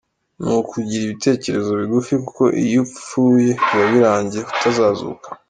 Ni ukugira ibitekerezo bigufi, kuko iyo upfuye biba birangiye utazazuka.